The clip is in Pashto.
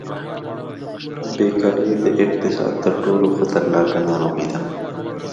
بېکاري د اقتصاد تر ټولو خطرناکه ناروغي ده.